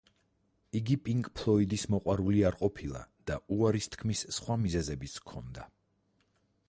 იგი პინკ ფლოიდის მოყვარული არ ყოფილა და უარის თქმის სხვა მიზეზებიც ჰქონდა.